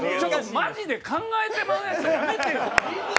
マジで考えてまうやつやめてよ。